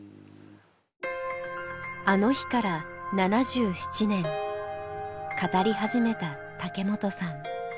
あの日から７７年語り始めた竹本さん